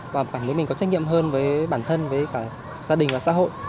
và cả người mình có trách nhiệm hơn với bản thân với cả gia đình và xã hội